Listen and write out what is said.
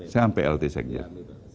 saya hampir lt sekjen